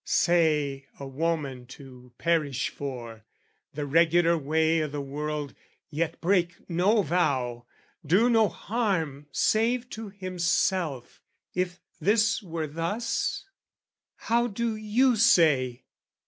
say, a woman to perish for, The regular way o' the world, yet break no vow, Do no harm save to himself, if this were thus? How do you say?